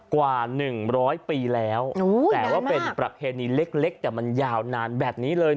กว่า๑๐๐ปีแล้วแต่ว่าเป็นประเพณีเล็กแต่มันยาวนานแบบนี้เลย